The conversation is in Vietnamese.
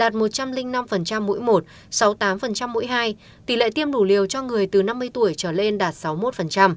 sinh năm mũi một sáu mươi tám mũi hai tỷ lệ tiêm đủ liều cho người từ năm mươi tuổi trở lên đạt sáu mươi một